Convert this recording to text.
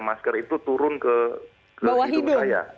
masker itu turun ke hidung saya